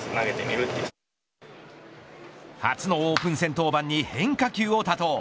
初のオープン戦登板に変化球を多投。